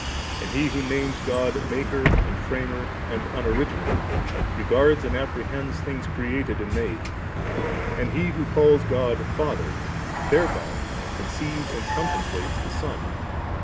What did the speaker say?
And he who names God Maker and Framer and Un originate, regards and apprehends things created and made ; and he who calls God Father, thereby conceives and contemplates the Son.